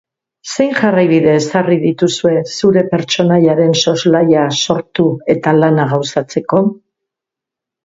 Zein jarraibide ezarri dituzue zure pertsonaiaren soslaia sortu eta lana gauzatzeko?